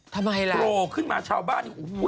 ทำไมล่ะโผล่ขึ้นมาชาวบ้าน